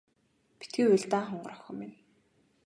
Битгий уйл даа хонгорхон охин минь.